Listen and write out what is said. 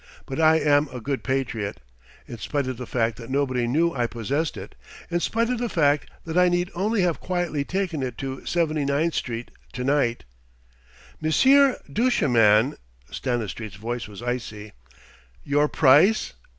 But I am a good patriot. In spite of the fact that nobody knew I possessed it, in spite of the fact that I need only have quietly taken it to Seventy ninth Street to night " "Monsieur Duchemin!" Stanistreet's voice was icy. "Your price?"